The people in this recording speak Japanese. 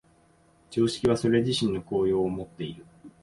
常識はそれ自身の効用をもっている。